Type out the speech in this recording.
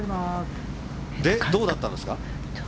で、どうだったんですか？